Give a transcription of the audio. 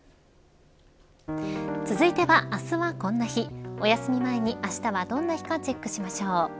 続いてはあすはこんな日おやすみ前にあしたはどんな日かチェックしましょう。